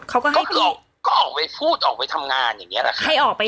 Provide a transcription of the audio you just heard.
ก็คือออกไว้พูดออกไว้ทำงานอย่างเนี่ยล่ะค่ะ